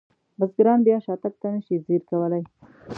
بزګران بیا شاتګ ته نشي ځیر کولی.